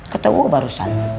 kata gue barusan